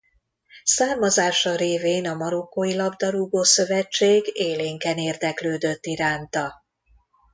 Származása révén a marokkói labdarúgó szövetség élénken érdeklődött iránta.